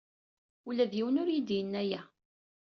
Ula d yiwen ur iyi-d-yenni aya.